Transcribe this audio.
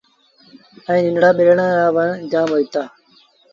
ائيٚݩ ننڍڙآ ٻيرآن رآ وڻ جآم هوئيٚتآ۔